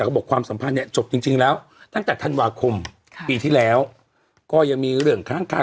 ก็บอกความสัมพันธ์เนี่ยจบจริงแล้วตั้งแต่ธันวาคมปีที่แล้วก็ยังมีเรื่องค้างค่า